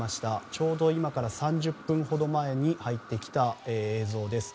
ちょうど今から３０分ほど前に入ってきた映像です。